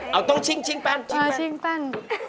เอาต้องชิ้งแป้น